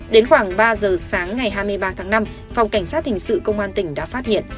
đến khoảng ba giờ sáng ngày hai mươi ba tháng năm phòng cảnh sát hình sự công an tỉnh đã phát hiện